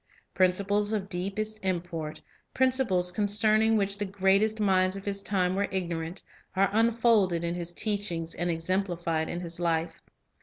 Principles of deepest import, principles concerning which the greatest minds of his time were ignorant, are un folded in his teachings and exemplified in his life.